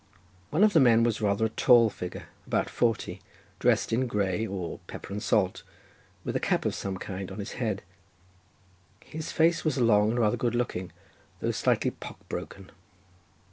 One of the men was rather a tall figure, about forty, dressed in grey, or pepper and salt, with a cap of some kind on his head, his face was long and rather good looking, though slightly pock broken.